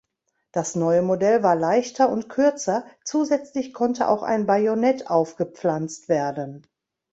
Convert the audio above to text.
Das neue Modell war leichter und kürzer, zusätzlich konnte auch ein Bajonett aufgepflanzt werden.